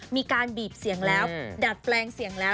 มีการบีบเสียงแล้วดัดแปลงเสียงแล้ว